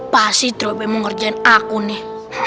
pak si trio bemo ngerjain aku nih